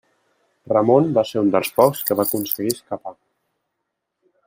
Ramon va ser un dels pocs que va aconseguir escapar.